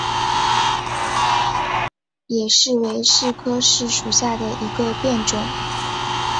野柿为柿科柿属下的一个变种。